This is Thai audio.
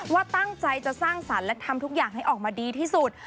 ว่าตั้งใจจะสร้างสรรค์และทำทุกอย่างให้ออกมาดีที่สุด